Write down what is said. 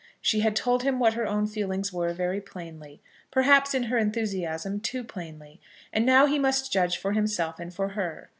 She had told him what her own feelings were very plainly, perhaps, in her enthusiasm, too plainly, and now he must judge for himself and for her.